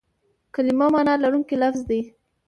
کلیمه مانا لرونکی لفظ دئ.